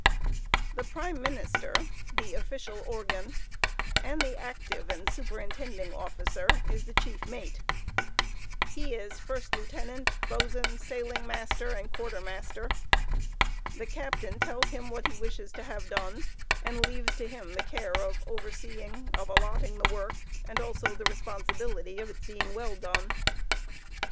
The prime minister, the official organ, and the active and superintending officer, is the chief mate. He is first lieutenant, boatswain, sailing master, and quartermaster. The captain tells him what he wishes to have done, and leaves to him the care of overseeing, of allotting the work, and also the responsibility of its being well done.